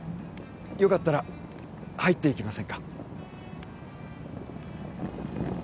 よかったら入っていきませんか？